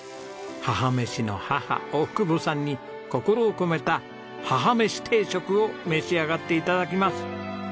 母めしの母大久保さんに心を込めた母めし定食を召し上がって頂きます。